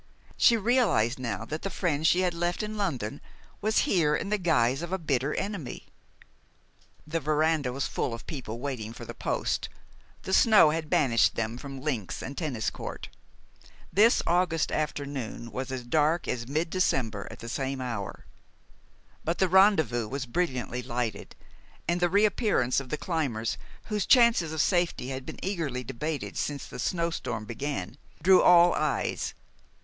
She realized now that the friend she had left in London was here in the guise of a bitter enemy. The veranda was full of people waiting for the post. The snow had banished them from links and tennis court. This August afternoon was dark as mid December at the same hour. But the rendezvous was brilliantly lighted, and the reappearance of the climbers, whose chances of safety had been eagerly debated since the snow storm began, drew all eyes.